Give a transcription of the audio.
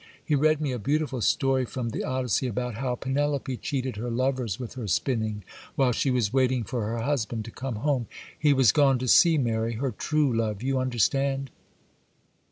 He read me a beautiful story from the "Odyssey," about how Penelope cheated her lovers with her spinning, while she was waiting for her husband to come home;—he was gone to sea, Mary,—her true love,—you understand.